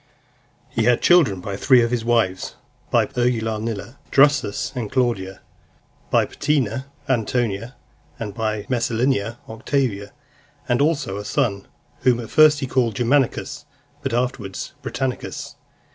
XXVII. He had children by three of his wives: by Urgulanilla, Drusus and Claudia; by Paetina, Antonia; and by Messalina, Octavia, and also a son, whom at first he called Germanicus, but afterwards Britannicus.